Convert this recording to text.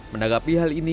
menanggapi hal ini